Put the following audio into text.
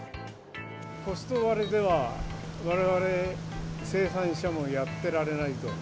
コスト割れでは、われわれ生産者もやってられないと。